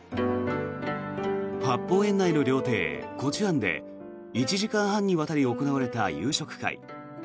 八芳園内の料亭、壺中庵で１時間半にわたって行われた夕食会。